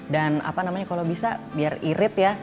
dan apa namanya kalau bisa biar irit ya